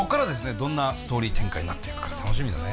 どんなストーリー展開になっていくか楽しみだね。